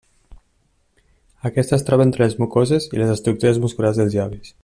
Aquesta es troba entre les mucoses i les estructures musculars dels llavis.